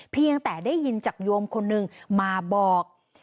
เพียงแต่ได้ยินจากโยมคนหนึ่งมาบอก